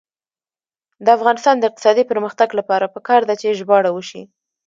د افغانستان د اقتصادي پرمختګ لپاره پکار ده چې ژباړه وشي.